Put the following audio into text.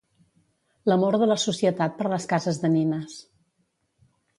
L'amor de la societat per les cases de nines